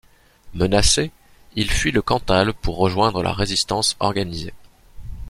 Menacé, il fuit le Cantal pour rejoindre la résistance organisée.